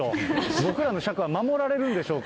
僕らの尺は守られるんでしょうか。